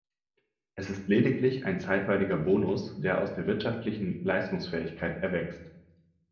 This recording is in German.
Es ist lediglich ein zeitweiliger Bonus, der aus der wirtschaftlichen Leistungsfähigkeit erwächst.